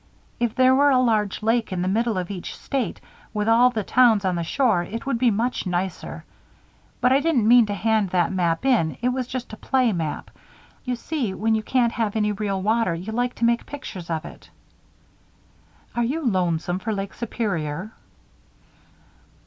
If there were a large lake in the middle of each state with all the towns on the shore, it would be much nicer. But I didn't mean to hand that map in, it was just a play map. You see, when you can't have any real water you like to make pictures of it." "Are you lonesome for Lake Superior?"